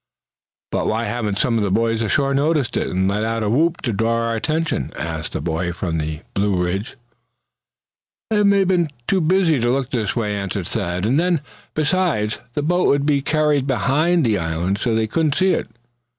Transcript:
"But why haven't some of the boys ashore noticed it, and let out a whoop to draw our attention?" asked the boy from the Blue Ridge. "They may have been too busy to look this way," answered Thad; "and then, besides, the boat would be carried behind the island so they couldn't see it.